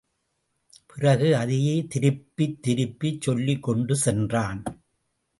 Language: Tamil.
பிறகு அதையே திருப்பித் திருப்பிச் சொல்லிக் கொண்டு சென்றான்.